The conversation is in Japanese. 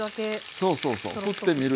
そうそうそうふってみるいうこと。